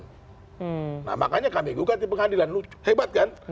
nah makanya kami gugat di pengadilan hebat kan